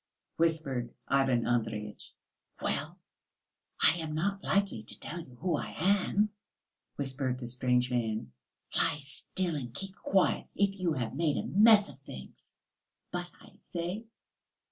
whispered Ivan Andreyitch. "Well, I am not likely to tell you who I am," whispered the strange man. "Lie still and keep quiet, if you have made a mess of things!" "But, I say!..."